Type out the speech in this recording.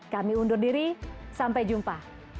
kami undur diri sampai jumpa